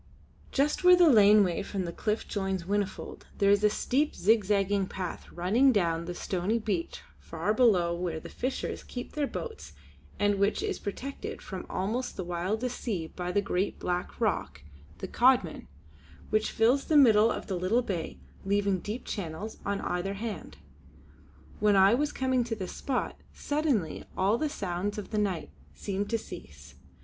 Just where the laneway from the cliff joins Whinnyfold there is a steep zigzag path running down to the stony beach far below where the fishers keep their boats and which is protected from almost the wildest seas by the great black rock the Caudman, which fills the middle of the little bay, leaving deep channels on either hand. When I was come to this spot, suddenly all the sounds of the night seemed to cease.